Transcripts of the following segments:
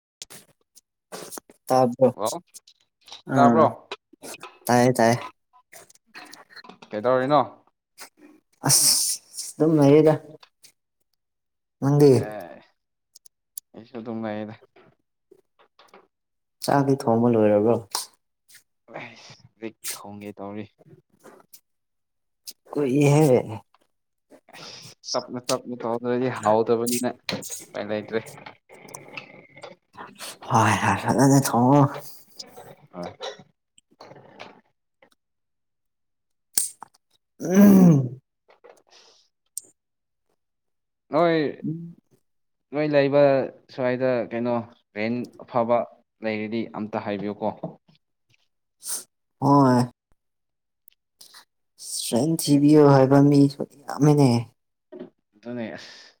[inaudible] ꯇꯕ ꯍꯜꯂꯣ ꯑ ꯇꯥꯕ꯭ꯔꯣ ꯇꯥꯏꯌꯦ ꯇꯥꯏꯌꯦ ꯀꯩꯗꯧꯔꯤꯅꯣ ꯑꯁ ꯑꯗꯨꯝ ꯂꯩꯗ ꯅꯪꯒꯤꯦ ꯑꯦ ꯑꯩꯁꯨ ꯑꯗꯨꯝꯉꯗ ꯆꯥꯛꯗꯤ ꯊꯣꯡꯕ ꯂꯣꯏꯔꯕ꯭ꯔꯣ ꯑꯁ ꯍꯧꯖꯤꯛ ꯊꯣꯡꯒꯦ ꯇꯧꯔꯤ ꯀ ꯏꯍꯦ ꯇꯞꯅ ꯇꯞꯅ ꯇꯧꯗ꯭ꯔꯗꯤ ꯍꯥꯎꯗꯕꯅꯤꯅꯥꯏ ꯂꯩꯇ꯭ꯔꯦ [inaudible] ꯍꯣꯏ ꯍꯥꯔ ꯊꯉ ꯑ ꯎꯝ ꯅꯣꯏ ꯅꯣꯏ ꯂꯩꯕ ꯁ꯭ꯋꯥꯏꯗ ꯀꯩꯅꯣ ꯔꯦꯟ ꯑꯐꯕ ꯂꯩꯔꯗꯤ ꯑꯝꯇ ꯍꯥꯏꯕꯤꯌꯨꯀꯣ ꯍꯣꯏ ꯁꯇ꯭ꯔꯦꯡ ꯑꯦ ꯊꯤꯕꯤꯌꯣ ꯍꯥꯏꯕ ꯃꯤꯁꯨ ꯌꯥꯝꯃꯤꯟꯅꯦ ꯗꯅꯦꯁ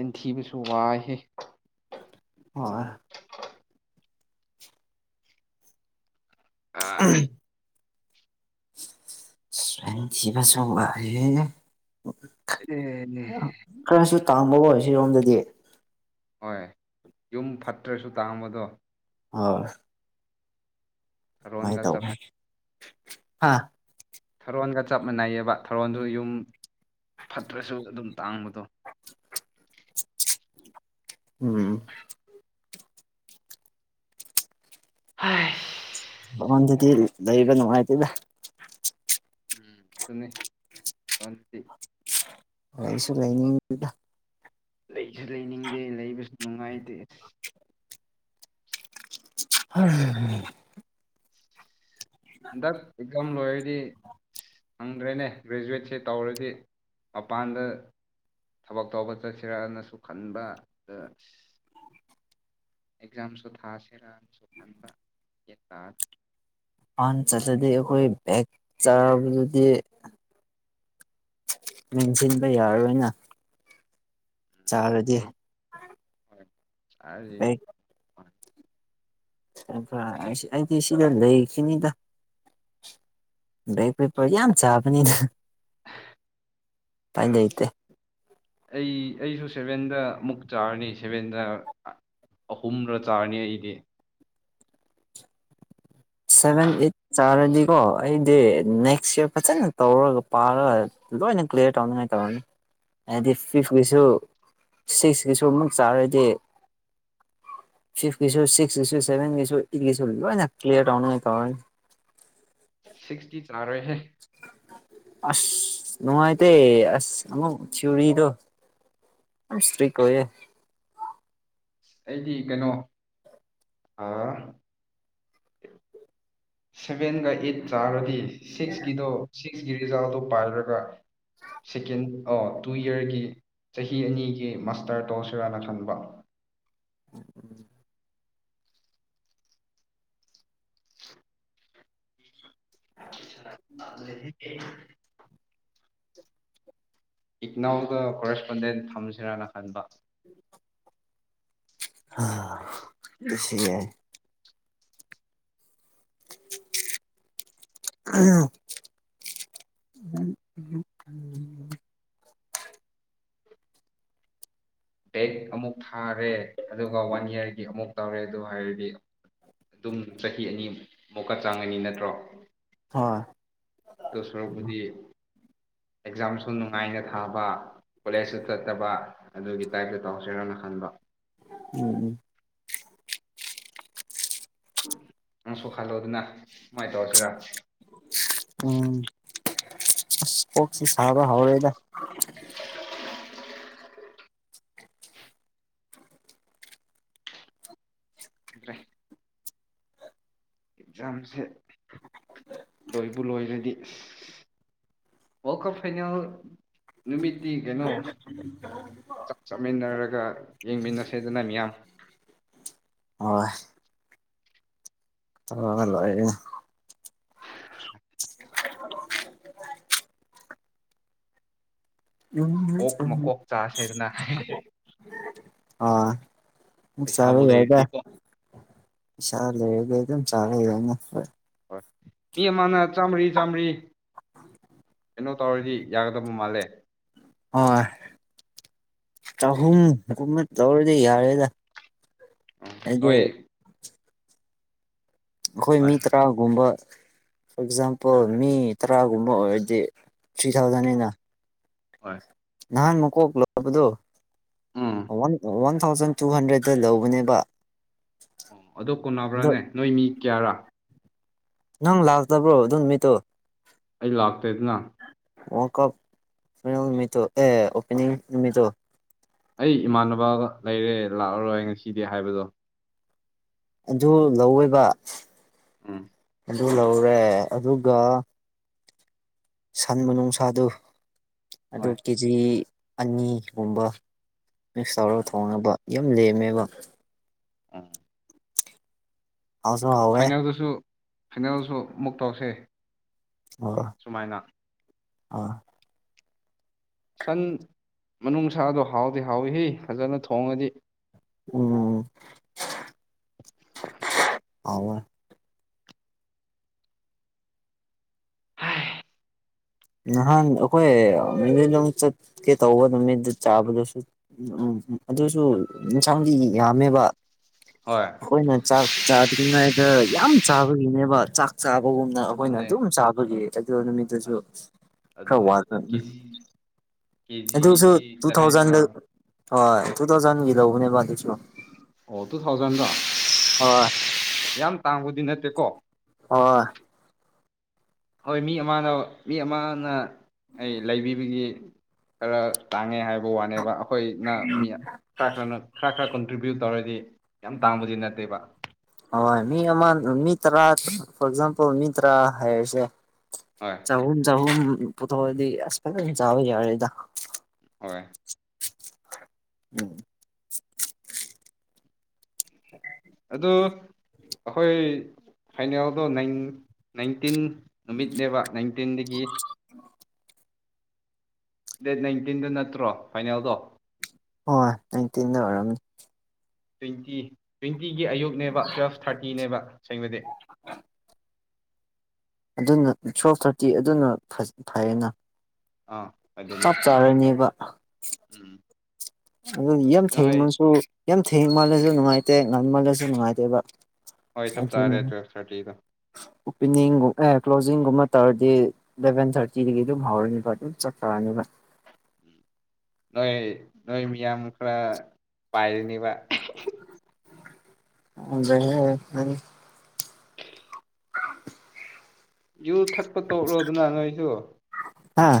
ꯏꯟꯊꯤꯕꯁꯨ ꯋꯥꯏꯍ ꯑꯣꯏ ꯑ ꯁ ꯊꯕ ꯆꯦ ꯑꯦ ꯇꯥꯡꯕꯕꯨ ꯑꯣꯏꯔꯁꯤꯔꯣꯝꯗꯗꯤ ꯍꯣꯏ ꯌꯨꯝ ꯐꯠꯇ꯭ꯔꯁꯨ ꯇꯥꯡꯝꯕꯗꯣ ꯑ ꯔꯣꯍꯟꯒ ꯆꯃꯦ ꯍꯥꯥ ꯊꯔꯣꯟꯒ ꯆꯞ ꯃꯅꯩꯑꯕ ꯊꯔꯣꯟꯁꯨ ꯌꯨꯝ ꯐꯠꯇ꯭ꯔꯁꯨ ꯑꯗꯨꯝ ꯇꯥꯡꯕꯗꯣ ꯎꯝ ꯍ ꯍꯉꯟꯗꯤ ꯂꯩꯕꯅꯨꯡꯉꯥꯏꯇꯗ ꯎꯝ ꯑꯗꯨꯇꯤ ꯀꯁ ꯀꯩꯅ ꯂꯩꯁꯨ ꯂꯩꯅꯤꯡꯗꯦ ꯂꯩꯕꯁꯨ ꯅꯨꯡꯉꯥꯏꯇꯦ ꯍ ꯏꯗ ꯑꯦꯝ ꯂꯣꯏꯦꯗꯤ ꯍꯪꯗ꯭ꯔꯦꯅꯦ ꯒ꯭ꯔꯦꯖꯨꯌꯦꯠꯁꯦ ꯇꯧꯔꯗꯤ ꯃꯄꯥꯟꯗ ꯊꯕꯛ ꯇꯧꯕ ꯆꯠꯁꯤꯔꯛꯑꯅꯁꯨ ꯈꯟꯕ ꯑ ꯑꯦꯛꯖꯥꯝꯁꯨ ꯊꯥꯁꯤꯔꯥꯅꯁꯨ ꯈꯟꯕ ꯌꯦꯇꯥꯗ ꯑꯆꯥ ꯑꯗꯨꯗꯤ ꯑꯩꯈꯣꯏ ꯦꯛꯆꯥ ꯑꯗꯨꯗꯤ ꯃꯡꯁꯤꯟꯕ ꯌꯥꯔꯣꯏꯅ ꯆꯥꯔꯗꯤ ꯍ ꯕꯦꯛ ꯁꯥ ꯑꯩꯗꯤ ꯁꯤꯗ ꯂꯩꯈꯤꯅꯤꯗ ꯕꯦꯛ ꯄꯦꯄꯔ ꯌꯥ ꯌꯥꯝ ꯆꯕꯗ ꯇꯥꯏꯖꯇ ꯑꯩ ꯑꯩꯁꯨ ꯁꯦꯚꯦꯟꯗ ꯑꯃꯨꯛ ꯆꯥꯔꯅꯤ ꯁꯦꯚꯦꯟꯗ ꯑꯍꯨꯝꯔ ꯆꯥꯔꯅꯤ ꯑꯩꯗꯤ ꯁꯚꯦꯟ ꯑꯠ ꯆꯔ ꯀꯣ ꯑꯩꯗꯤ ꯅꯦꯛꯁ ꯏꯔ ꯐꯖꯅ ꯇꯧꯔꯒ ꯄꯥꯔꯒ ꯂꯣꯏꯅ ꯀ꯭ꯂꯤꯌꯔ ꯇꯧꯅꯤꯉꯥꯏ ꯇꯧꯔꯅꯤ ꯍꯥꯏꯗꯤ ꯐꯤꯐꯀꯤꯁꯨ ꯁꯤꯛꯁꯀꯤꯁꯨ ꯑꯃꯨꯛ ꯆꯥꯔꯗꯤ ꯐꯤꯁ ꯁꯤꯚꯦꯟꯂꯤꯌꯥ [inaudible] ꯇꯅꯅꯦ ꯀꯦ [inaudible] ꯁꯤꯛꯁꯇꯤ ꯆꯥꯔꯣꯏ ꯍꯦ ꯑꯁ ꯅꯅꯨꯡꯉꯥꯏ ꯇꯦ ꯑꯁ ꯑꯃꯛ ꯊꯋꯨꯔꯤꯗꯣ ꯁ꯭ꯔꯤꯛ ꯋꯦ ꯑꯩꯗꯤ ꯀꯩꯅꯣ ꯑ ꯁꯚꯦꯟꯒ ꯑꯩꯠ ꯆꯥꯔꯗꯤ ꯁꯤꯛꯁꯀꯤꯗꯣ ꯁꯤ ꯔꯤꯖꯥꯜ ꯗꯣ ꯄꯥꯏꯔꯒ ꯁꯦꯀꯦꯟ ꯇꯨ ꯏꯌꯥꯔꯒꯤ ꯆꯍꯤ ꯑꯅꯤꯒꯤ ꯃꯥꯁꯇꯔ ꯇꯣ ꯁꯤꯔꯥꯅ ꯈꯟꯕ ꯑ [inaudible] ꯑꯗꯨ [inaudible] ꯏꯛꯅꯥꯎꯗ ꯀꯣꯔꯦꯁꯄꯣꯟꯗꯦꯟ ꯊꯝꯁꯤꯔꯅ ꯈꯟꯕ ꯑ ꯁꯤ ꯎꯝ [inaudible] ꯕꯦꯛ ꯑꯃꯨꯛ ꯊꯥꯔꯦ ꯑꯗꯨꯒ ꯋꯥꯟ ꯏꯌꯥꯔꯒꯤ ꯑꯃꯨꯛ ꯇꯧꯔꯦ ꯑꯗꯨ ꯍꯥꯏꯔꯗꯤ ꯑꯗꯨꯝ ꯆꯍꯤ ꯑꯅꯤꯃꯨꯛꯀ ꯆꯥꯡꯉꯅꯤ ꯅꯠꯇ꯭ꯔꯣ ꯍꯥ ꯗꯇ ꯁꯣꯔꯕꯨꯗꯤ ꯑꯦꯛꯖꯥꯝꯁꯨ ꯅꯨꯡꯉꯥꯏꯅ ꯊꯥꯕ ꯀꯣꯂꯦꯖꯇꯨ ꯆꯠꯇꯕ ꯑꯗꯨꯒꯤ ꯇꯥꯏꯞꯇ ꯇꯧꯁꯔꯣꯅ ꯈꯟꯕ ꯎꯝ ꯎꯝ ꯅꯪ ꯁꯣꯛꯍꯜꯂꯣ ꯑꯗꯨꯅ ꯁꯨꯃꯥꯏꯅ ꯇꯧꯔꯁꯤꯔ ꯎꯝ ꯑꯁ ꯀꯣꯛꯁꯤ ꯁꯥꯥꯎꯕ ꯍꯥꯎꯔꯦꯗ ꯑꯗꯨ꯭ꯔꯦ ꯑꯦꯛꯖꯥꯝꯁꯦ ꯂꯣꯏꯕꯨ ꯂꯣꯏꯔꯗꯤ ꯋꯥꯔꯜ ꯀꯞ ꯐꯥꯏꯅꯦꯜ ꯅꯨꯃꯤꯠꯇꯤ ꯀꯩꯅꯣ ꯆꯥꯛ ꯆꯠꯃꯤꯟꯅꯔꯒ ꯌꯦꯡꯃꯤꯟꯅꯁꯦꯗꯅ ꯃꯤꯌꯥꯝ ꯍ ꯑꯂꯑꯌꯦ [inaudible] [unintelligible] ꯎꯝ ꯑꯣꯛ ꯎꯝ ꯃꯀꯣꯛ ꯆꯥꯁꯦꯗꯅ [inaudible] ꯑꯥ ꯄꯩꯁꯥꯕꯨ ꯌꯥꯏꯗ ꯂꯩꯔꯗꯤꯀꯣ ꯁꯥ ꯂꯩꯒ ꯆꯥ [inaudible] ꯃꯤ ꯑꯃꯅ ꯆꯥꯝꯃꯔꯤ ꯆꯥꯝꯃꯔꯤ ꯀꯩꯅꯣ ꯇꯧꯔꯁꯤ ꯌꯥꯒꯗꯕ ꯃꯥꯜꯂꯦ ꯍꯣꯏ ꯆꯍꯨꯝꯒꯨꯝꯕ ꯇꯧꯔꯗꯤ ꯌꯥꯔꯦꯗ ꯍꯥꯏꯗꯤ ꯅꯣꯏ ꯑꯩꯈꯣꯏ ꯍꯣꯏ ꯃꯤ ꯍꯣꯏ ꯇꯔꯥꯒꯨꯝꯕ ꯐꯣꯔ ꯑꯦꯛꯖꯥꯝꯄꯜ ꯃꯤ ꯇꯔꯥꯒꯨꯝꯕ ꯑꯣꯏꯔꯗꯤ ꯊ꯭ꯔꯤ ꯎꯝ ꯊꯥꯎꯖꯟꯅꯤꯅ ꯍꯣꯏ ꯅꯥꯟ ꯃꯛ ꯍꯒꯂꯣ ꯍꯕꯗꯨ ꯎꯝ ꯨ ꯊꯥꯎꯖꯟ ꯇꯨ ꯍꯟꯗ꯭ꯔꯦꯗꯠꯇ ꯂꯧꯕꯅꯦꯕ ꯑꯣ ꯑ ꯑꯗꯣ ꯀꯣꯟꯅꯕ꯭ꯔꯥꯅꯦ ꯅꯣꯏ ꯃꯤ ꯀꯌꯥꯔꯥ ꯅꯪ ꯂꯥꯛꯇꯕ꯭ꯔꯣ ꯑꯗꯨꯝꯃꯤꯇꯣ ꯑꯩ ꯂꯥꯛꯇꯦꯗꯅ ꯋꯥ ꯀ ꯅꯨꯃꯤ ꯑꯦ ꯑꯣꯄꯦꯅꯤꯡ ꯅꯨꯃꯤꯠꯇꯣ ꯑꯩ ꯏꯃꯥꯟꯅꯕꯒ ꯂꯩꯔꯦ ꯂꯥꯛꯑꯔꯣꯏ ꯉꯁꯤꯗꯤ ꯍꯥꯏꯕꯗꯣ ꯑꯗꯨ ꯂꯧꯋꯣꯏꯕ ꯑꯝ ꯑꯗꯨ ꯂꯧꯔꯦ ꯑꯗꯨꯒ ꯁꯟ ꯅꯨꯡꯁꯥꯗꯨ ꯑꯗꯨ ꯍꯣꯏ ꯀꯦꯖꯤ ꯑꯅꯤꯒꯨꯝꯕ ꯃꯤꯛꯁ ꯇꯧꯔꯒ ꯎꯝ ꯊꯣꯡꯉꯅꯕ ꯌꯥꯝ ꯂꯦꯝꯃꯦꯕ ꯑꯥ ꯍꯥꯎꯁꯨꯣ ꯍꯋꯦ ꯐꯥꯏꯅꯦꯜꯁꯨ ꯑꯃꯨꯛ ꯇꯧꯁꯦ ꯁꯨꯃꯥꯏꯅ ꯑ ꯁꯟ ꯃꯅꯨꯡꯁꯥꯗꯣ ꯍꯥꯎꯗꯤ ꯍꯥꯎꯏ ꯍ ꯐꯖꯅ ꯊꯣꯡꯉꯗꯤ ꯎꯝ ꯑꯋꯥ ꯍꯥꯏ ꯅꯍꯥꯟ ꯑꯩꯈꯣꯏ ꯑꯗꯨꯝ ꯆꯠꯀꯦ ꯇꯧꯕ ꯅꯨꯃꯤꯠꯇ ꯆꯥꯕꯗꯁꯨ ꯑꯗꯨꯁꯨ ꯏꯟꯁꯥꯡꯗꯤ ꯌꯥꯝꯃꯦꯕ ꯍꯣꯏ ꯑꯩꯈꯣꯏꯅ ꯆꯥꯛ ꯆꯥꯗ꯭ꯔꯤꯉꯩꯗ ꯌꯥꯝ ꯆꯥꯕꯒꯤꯅꯦꯕ ꯆꯥꯛ ꯆꯕ ꯎꯒꯨꯝꯅ ꯑꯩꯈꯣꯏꯅ ꯑꯗꯨꯅꯦ ꯑꯗꯨꯝ ꯆꯥꯕꯒꯤ ꯑ ꯅꯨꯃꯤꯠꯇꯨꯁꯨ ꯈꯔ ꯑꯗꯨꯗꯟꯅꯦ ꯋꯥꯠꯄ ꯀꯤ ꯎꯝ ꯑꯗꯨꯁꯨ ꯇꯨ ꯊꯥꯎꯖꯟꯗ ꯍꯣꯏ ꯇꯨ ꯊꯥꯎꯖꯟꯒꯤ ꯂꯧꯕꯅꯦꯕ ꯑꯗꯨꯁꯨ ꯑꯣ ꯇꯨ ꯊꯥꯎꯖꯟꯗꯣ ꯍꯣꯏ ꯌꯥꯝ ꯇꯥꯡꯕꯗꯤ ꯅꯠꯇꯦꯀꯣ ꯑꯣ ꯍꯣꯏ ꯃꯤ ꯑꯃꯅ ꯃꯤ ꯑꯃꯅ ꯑꯩ ꯂꯩꯕꯤꯕꯒꯤ ꯈꯔ ꯇꯥꯡꯉꯦ ꯍꯥꯏ ꯍꯥꯏꯕ ꯋꯥꯅꯦꯕ ꯑꯩꯈꯣꯏꯅ ꯃꯤ ꯈꯔ ꯈꯔꯅ ꯈꯔ ꯈꯔ ꯀꯟꯇ꯭ꯔꯤꯕ꯭ꯌꯨꯠ ꯇꯧꯔꯗꯤ ꯌꯥꯝ ꯇꯥꯡꯕꯁꯤ ꯅꯠꯇꯦꯕ ꯍꯣꯏ ꯃꯤ ꯑꯃ ꯃꯤ ꯇꯔꯥ ꯐꯣꯔ ꯑꯦꯛꯖꯥꯝꯄꯜ ꯃꯤ ꯇꯔꯥ ꯍꯥꯏꯔꯁꯦ ꯍꯣꯏ ꯆꯍꯨꯝ ꯆꯍꯨꯝ ꯄꯨꯊꯣꯛꯑꯗꯤ ꯑꯁ ꯐ ꯆꯥꯕ ꯌꯥꯦꯗ ꯍ ꯎꯝ ꯑꯗꯨ ꯑꯩꯈꯣꯏ ꯐꯥꯏꯅꯦꯜꯗꯣ ꯅꯥꯏꯟꯇꯤꯟ ꯅꯨꯃꯤꯠꯅꯦꯕ ꯅꯥꯏꯟꯇꯤꯟꯗꯒꯤ ꯗꯦꯠ ꯅꯥꯏꯟꯇꯤꯟꯗꯨ ꯅꯠꯇ꯭ꯔꯣ ꯐꯥꯏꯅꯦꯜꯗꯣ ꯍ ꯅꯥꯏꯟꯇꯤꯟꯗ ꯑꯣꯏꯔꯝꯅꯤ ꯇ꯭ꯋꯦꯟꯇꯤ ꯇ꯭ꯋꯦꯟꯇꯤꯒꯤ ꯑꯌꯨꯛꯅꯦꯕ ꯇꯨꯋꯦꯜꯐ ꯊꯥꯔꯇꯤꯅꯦꯕ ꯁꯦꯡꯕꯗꯤ ꯑꯗꯨꯅ ꯁꯣ ꯊꯥꯔꯇꯤ ꯑꯗꯨꯅ ꯐꯩꯌꯦꯅ ꯑꯥ ꯑꯗꯨꯅꯦ ꯆꯞ ꯆꯥꯔꯅꯦꯕ ꯎꯝ ꯑꯗꯨ ꯌꯥꯝ ꯊꯦꯡ ꯅꯣꯏ ꯃꯜꯁꯨ ꯌꯥꯝ ꯊꯦꯡ ꯃꯥꯜꯂꯁꯨ ꯅꯨꯡꯉꯥꯏꯇꯦ ꯉꯥꯟ ꯃꯥꯜꯂꯁꯨ ꯅꯨꯡꯉꯥꯏꯇꯦꯕ ꯍꯣꯏ ꯆ ꯆꯥꯔꯦ ꯇꯋꯗ ꯑꯣꯄꯦꯅꯤꯡꯒꯨꯝ ꯑꯦ ꯀ꯭ꯂꯣꯖꯤꯡꯒꯨꯝꯕ ꯇꯧꯔꯗꯤ ꯏꯂꯚꯦꯟ ꯊꯥꯔꯇꯤꯗꯒꯤ ꯑꯗꯨꯝ ꯍꯧꯔꯅꯤꯕ ꯑꯗꯨꯝ ꯆꯠꯊꯔꯅꯤꯕ ꯅꯣꯏ ꯅꯣꯏ ꯃꯤꯌꯥꯝ ꯈꯔ ꯄꯥꯏꯔꯅꯤꯕ ꯑꯗ ꯎ [inaudible] ꯌꯨ ꯊꯛꯄ ꯇꯣꯛꯂꯣꯗꯅ ꯅꯣꯏꯁꯨ ꯑꯥ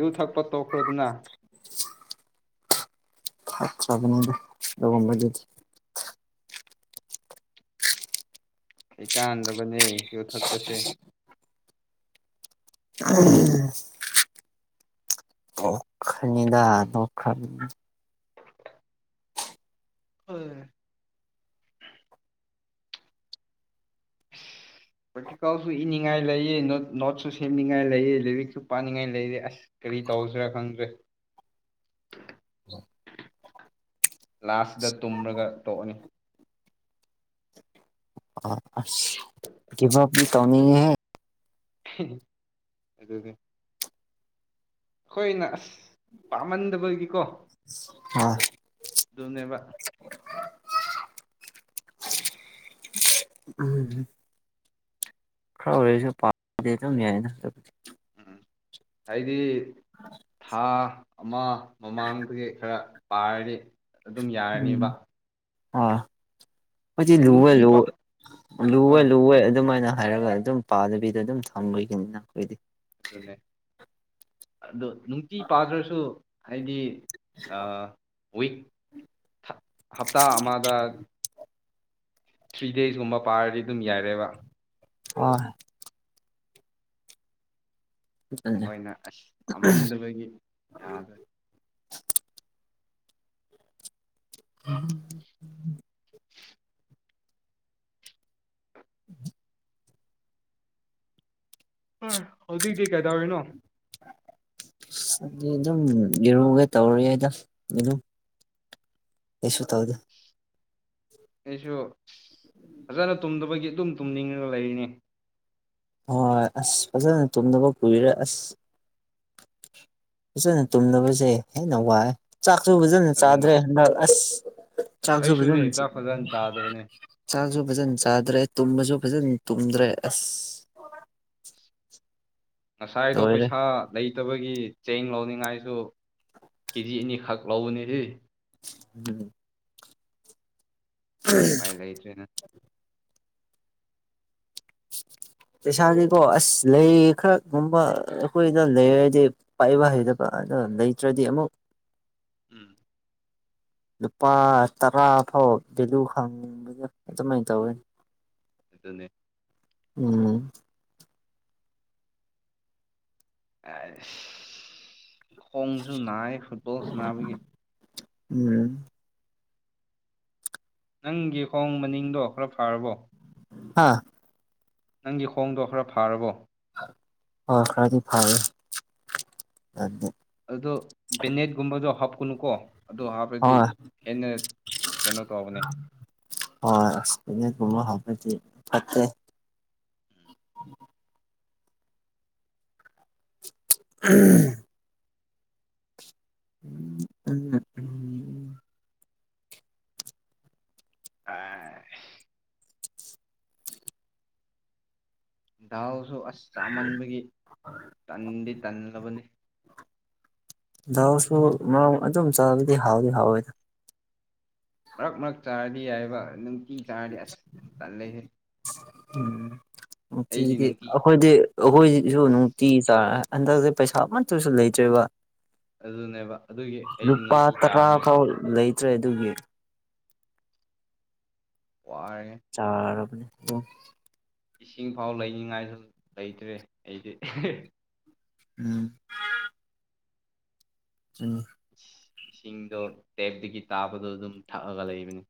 ꯌꯨ ꯊꯛꯄ ꯇꯣꯛꯈ꯭ꯔꯗꯨꯅ [inaudible] ꯐ ꯆꯗꯅꯗꯝꯕ ꯑꯩꯩ ꯀꯥꯟꯗꯕꯅꯦ ꯌꯣꯠꯊꯛꯄꯁꯦ ꯑ ꯑꯣꯈꯅꯤꯗꯥ ꯅꯈꯥꯟ ꯑꯣ [inaudible] ꯄꯇꯤꯀꯥꯎꯁꯨ ꯏꯅꯤꯡꯉꯥꯏ ꯂꯩꯑ ꯅꯣꯠꯁꯨ ꯁꯦꯝꯅꯤꯡꯉꯥꯏ ꯂꯩꯑ ꯂꯥꯏꯔꯤꯛꯁꯨ ꯄꯥꯅꯤꯡꯉꯥꯏ ꯂꯩꯑꯦ ꯑꯁ ꯀꯔꯤ ꯇꯧꯁꯔꯦ ꯈꯪ꯭ꯔꯦ ꯎ ꯂꯥꯁꯗ ꯇꯨꯝꯔꯒ ꯇꯣꯛꯑꯅꯤ ꯑ ꯀꯕꯨꯅꯤ ꯀꯃꯤ ꯑꯗꯨꯗ ꯑꯗꯨꯦ ꯍꯣꯏꯅ ꯑꯁ ꯄꯥꯝꯃꯟꯗꯕꯒꯤꯀꯣ ꯑꯥ ꯑꯗꯨꯅꯦꯕ ꯎꯝ ꯈꯔ ꯑꯣꯏꯁ ꯄꯏ ꯎꯝ ꯍꯥꯏꯗꯤ ꯊꯥ ꯑꯃ ꯃꯃꯥꯡꯗꯒꯤ ꯈꯔ ꯄꯥꯔꯗꯤ ꯑꯗꯨꯝ ꯌꯥꯔꯅꯤꯕ ꯑ ꯍꯧ ꯂꯨꯦ ꯅꯨꯡꯇꯤ ꯂ ꯄ ꯂꯨꯋꯦ ꯍꯣꯏ ꯂꯨꯋꯦ ꯑꯗꯨꯃꯥꯏꯅ ꯍꯥꯏꯔꯒ ꯑꯗꯨꯝ ꯄꯥꯗꯕꯤꯗ ꯑꯗꯨꯝ ꯊꯝꯣꯏꯒꯅꯤꯅ ꯑꯩꯈꯣꯏꯗꯤ ꯑꯗꯨꯅꯦ ꯑꯗꯨꯣ ꯅꯨꯡꯇꯤ ꯄꯥꯗ꯭ꯔꯁꯨ ꯍꯥꯏꯗꯤ ꯋꯤꯛ ꯍꯞꯇꯥ ꯑꯃꯗ ꯊ꯭ꯔꯤ ꯗꯦꯁꯀꯨꯝꯕ ꯄꯥꯔꯗꯤ ꯑꯗꯨꯝ ꯌꯥꯏꯔꯦꯕ ꯑ ꯑꯗꯨꯅꯦ ꯣꯏ ꯑꯣꯏꯅ ꯑꯁ ꯄꯥꯝꯃꯟꯗꯕꯒꯤ ꯌꯥꯗꯣꯏ ꯑꯝ [inaudible] ꯍꯧꯖꯤꯛꯇꯤ ꯀꯩꯗꯧꯔꯤꯅꯣ ꯑꯗꯨꯝ ꯌꯦꯔꯨꯒꯦ ꯇꯧꯔꯨꯏꯗ ꯑꯗꯨꯝ ꯌꯦꯁꯨꯨ ꯇꯥꯎꯗ ꯑꯩꯁꯨ ꯐꯖꯅ ꯇꯨꯝꯗꯕꯒꯤ ꯑꯗꯨꯝ ꯇꯨꯝꯅꯤꯡꯉꯒ ꯂꯩꯔꯤꯅꯤ ꯍꯣꯏ ꯑꯁ ꯐꯖꯅ ꯇꯨꯡꯗꯕꯨ ꯀꯨꯏꯔꯦ ꯑꯁ ꯐꯖꯅ ꯇꯨꯝꯗꯕꯁꯦ ꯍꯦꯟꯅ ꯋꯥꯏ ꯆꯥꯛꯁꯨ ꯐꯖꯅ ꯑꯗꯨꯅꯦ ꯆꯥꯗ꯭ꯔꯦ ꯍꯟꯗꯛ ꯑꯁ ꯑꯁ ꯆꯥꯛꯁꯨꯕꯖꯥ ꯑꯩꯁꯨꯅꯦ ꯆꯥꯛ ꯐꯖꯅ ꯆꯥꯗꯕꯅꯦ ꯆꯥꯛꯁꯨ ꯐꯖꯅ ꯆꯥꯗ꯭ꯔꯦ ꯇꯨꯝꯕꯁꯨ ꯐꯖꯅ ꯇꯨꯝꯗ꯭ꯔꯦ ꯑꯁ ꯉꯁꯥꯏꯗꯣ ꯂꯣꯏꯔꯦ ꯄꯩꯁꯥ ꯂꯩ ꯐꯠꯇꯕꯒꯤ ꯆꯦꯡ ꯂꯧꯅꯤꯡꯉꯥꯏꯁꯨ ꯀꯦꯖꯤ ꯑꯅꯤꯈꯛ ꯂꯧꯕꯅꯤ ꯁꯤ ꯎꯝ ꯄꯥꯏ ꯂꯩꯇ꯭ꯔꯦꯅ ꯄꯩꯁꯥꯗꯤꯀꯣ ꯑꯁ ꯂꯩ ꯈꯔꯒꯨꯝꯕ ꯑꯩꯈꯣꯏꯗ ꯂꯩꯔꯗꯤ ꯄꯥꯏꯕ ꯍꯩꯗꯕ ꯑꯗꯣ ꯂꯩꯇ꯭ꯔꯗꯤ ꯑꯃꯨꯛ ꯎꯝ ꯂꯨꯄꯥ ꯇꯔꯥ ꯐꯥꯎ ꯚꯦꯂꯨ ꯍꯥꯡꯕꯗ ꯑꯗꯨꯃꯥꯏꯅ ꯇꯧꯋꯤ ꯑꯗꯨꯗꯅꯤ ꯎꯝ ꯈꯣꯡꯁꯨ ꯅꯥꯏ ꯐꯨꯠꯕꯣꯜꯁꯤ ꯅꯥꯕꯒꯤ ꯎꯝ ꯅꯪꯒꯤ ꯍꯣꯡ ꯃꯅꯤꯡꯗꯣ ꯈꯔ ꯐꯥꯔꯕꯣ ꯍꯥꯥ ꯅꯪꯒꯤ ꯈꯣꯡꯗꯣ ꯈꯔ ꯐꯥꯔꯕꯣ ꯍ ꯈꯔꯗꯤ ꯐꯔꯦ ꯑꯗꯨꯗꯣ ꯕꯦꯅꯦꯠꯀꯨꯝꯕꯗꯣ ꯍꯥꯞꯀꯨꯅꯨꯀꯣ ꯑꯗ ꯍꯥꯞꯄꯗꯤ ꯍꯣꯏ ꯍꯦꯟꯅꯟꯅ ꯀꯩꯅꯣ ꯇꯧꯕꯅꯤ ꯀꯃ ꯍꯥ ꯐꯦ ꯑꯦꯍꯦ ꯎꯝ ꯎꯝ ꯎꯝ [unintelligible] ꯑ [unintelligible] ꯗꯥꯎꯁꯨ ꯑꯁ ꯆꯥꯃꯟꯕꯒꯤ ꯇꯟꯗꯤ ꯇꯜꯂꯕꯅꯤ ꯍꯥꯎꯁꯨ ꯃꯔ ꯑꯗꯨꯝ ꯆꯥꯕꯗꯤ ꯍꯥꯎꯗꯤ ꯍꯥꯎꯋꯦꯗ ꯃꯔꯛ ꯃꯔꯛ ꯆꯥꯔꯗꯤ ꯍꯥꯏꯏꯕ ꯅꯨꯡꯇꯤ ꯆꯥꯔꯗꯤ ꯑꯁ ꯇꯜꯂꯦꯍꯦ ꯎꯝ ꯑꯩꯗꯤ ꯅꯨꯡꯇꯤꯗꯤ ꯅꯨꯡꯇꯤ ꯑꯩꯈꯣꯏꯗꯤ ꯑꯩꯈꯣꯏꯁꯨ ꯅꯨꯡꯇꯤ ꯆꯥ [unintelligible] ꯍꯟꯗꯛꯁ ꯄꯩꯁꯥ ꯑꯃꯠꯇꯨꯁꯨ ꯂꯩꯇ꯭ꯔꯦꯕ ꯑꯗꯨꯅꯦꯕ ꯑꯗꯨꯒꯤ ꯑꯩꯁꯨ ꯅꯨꯡꯇꯤ ꯆꯥꯕꯅꯦ ꯆꯠꯇ꯭ꯔꯦ ꯑꯗꯨꯒꯤ ꯋꯥꯔꯦ ꯆꯥꯎꯔꯕꯅꯤꯝ ꯏꯁꯤꯡ ꯐꯥꯎ ꯂꯩꯅꯤꯡꯉꯥꯏꯁꯨ ꯂꯩꯇ꯭ꯔꯦ ꯑꯩꯗꯤ ꯎꯝ ꯎ ꯏꯁꯤꯡꯗꯣ ꯇꯦꯞꯇꯒꯤ ꯇꯥꯕꯗꯣ ꯑꯗꯨꯝ ꯊꯛꯑꯒ ꯂꯩꯕꯅꯤ